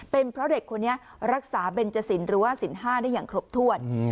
เป็นเพราะเด็กคนนี้รักษาเบนจสินหรือว่าสินห้าได้อย่างครบถ้วน